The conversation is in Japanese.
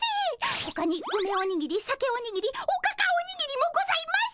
ほかにうめおにぎりさけおにぎりおかかおにぎりもございます！